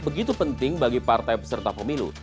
begitu penting bagi partai peserta pemilu